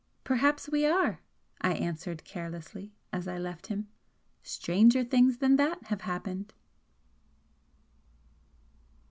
"Perhaps we are!" I answered, carelessly, as I left him; "Stranger things than that have happened!"